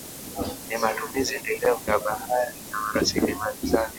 Ni matumizi endelevu ya bahari na rasilimali zake